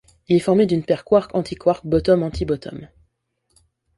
Il est formé d'une paire quark-antiquark bottom-antibottom.